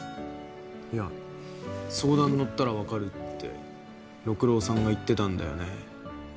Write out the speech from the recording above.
いや相談に乗ったら分かるって六郎さんが言ってたんだよね。